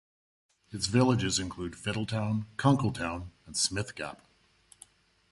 Its villages include Fiddletown, Kunkletown, and Smith Gap.